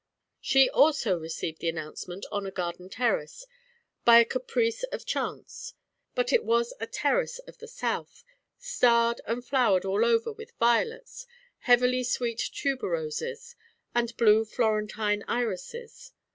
She also received the announcement on a garden terrace, by a caprice of chance; but it was a terrace of the South, starred and flowered all over with violets, heavily sweet tuberoses and blue Florentine irises.